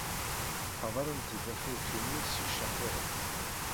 Qeddrent-d afurk-nni s yicaquren.